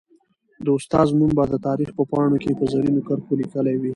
د استاد نوم به د تاریخ په پاڼو کي په زرینو کرښو ليکلی وي.